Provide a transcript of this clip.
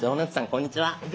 こんにちは。